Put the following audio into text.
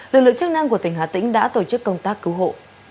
lực lượng chức năng của tỉnh hà tĩnh đã tổ chức công tác cứu hộ